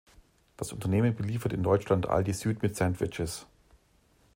Das Unternehmen beliefert in Deutschland Aldi Süd mit Sandwiches.